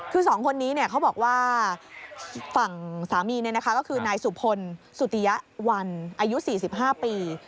คือ๒คนนี้เขาบอกว่าฝั่งสามีก็คือนายสุพลสุติยะวันอายุ๔๕ปี